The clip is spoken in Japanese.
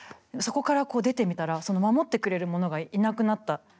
そこから出てみたら守ってくれるものがいなくなった。